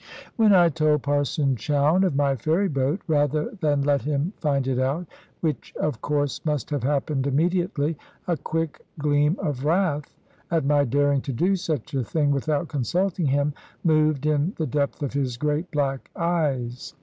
When I told Parson Chowne of my ferry boat, rather than let him find it out, which of course must have happened immediately, a quick gleam of wrath at my daring to do such a thing without consulting him moved in the depth of his great black eyes.